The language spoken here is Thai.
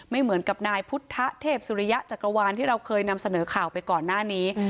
ไม่เหมือนกับนายพุทธเทพสุริยะจักรวาลที่เราเคยนำเสนอข่าวไปก่อนหน้านี้